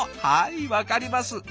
はい分かります。